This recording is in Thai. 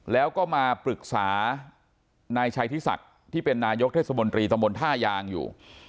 แล้วก็มาปรึกษานายชัยทิศักดิ์ที่เป็นนายกเทศมนตรีตะมนต์ท่ายางอยู่